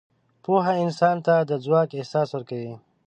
پوهه انسان ته د ځواک احساس ورکوي.